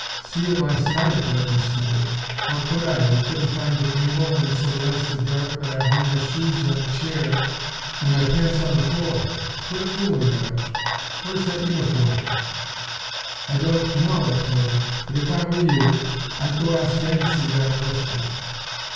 "See it last night!" Larkin snorted. "How could I? We couldn't find the candle and it was so blasted dark that I hung my shoes on a chair and my pants on the floor. Quit foolin', Red. Where's that uniform?" "I don't know, I tell you. But if I were you I'd go ask Yancey that question."